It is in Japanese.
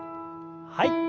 はい。